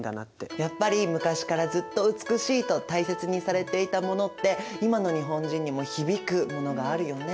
やっぱり昔からずっと美しいと大切にされていたものって今の日本人にも響くものがあるよね。